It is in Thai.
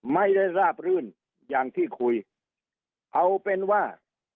ไม่ได้ราบรื่นอย่างที่คุยเอาเป็นว่า